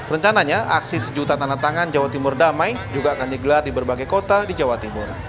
rencananya aksi sejuta tanah tangan jawa timur damai juga akan digelar di berbagai kota di jawa timur